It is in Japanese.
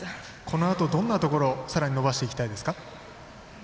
このあと、どんなところさらに伸ばしていきたいですか？